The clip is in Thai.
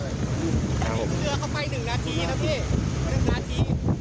นึงละที